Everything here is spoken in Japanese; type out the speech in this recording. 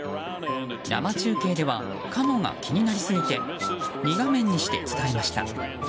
生中継ではカモが気になりすぎて２画面にして伝えました。